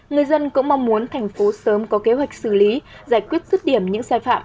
người dân cũng mong muốn thành phố sớm có kế hoạch xử lý giải quyết rứt điểm những sai phạm